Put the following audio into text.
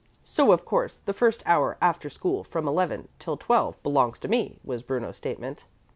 "So of course the first hour after school from eleven till twelve belongs to me," was Bruno's statement.